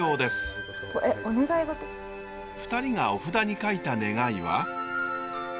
２人がお札に書いた願いは。